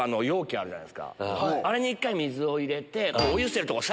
あれに１回水を入れてお湯捨てる所